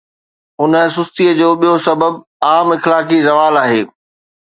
ان سستيءَ جو ٻيو سبب عام اخلاقي زوال آهي.